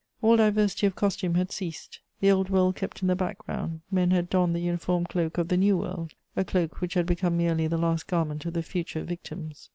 All diversity of costume had ceased; the old world kept in the background; men had donned the uniform cloak of the new world, a cloak which had become merely the last garment of the future victims.